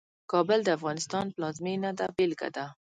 کابل د افغانستان پلازمېنه ده بېلګه ده.